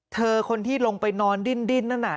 เธอคนที่ลงไปนอนดิ้นนะนะ